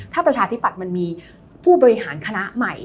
ถ้าประชาธิปัตย์มันมีผู้บริหารคณะใหม่